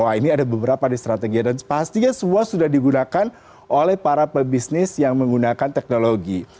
wah ini ada beberapa di strategi dan pastinya semua sudah digunakan oleh para pebisnis yang menggunakan teknologi